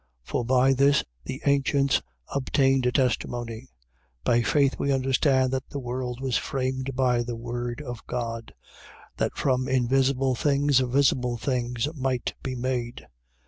11:2. For by this the ancients obtained a testimony. 11:3. By faith we understand that the world was framed by the word of God: that from invisible things visible things might be made.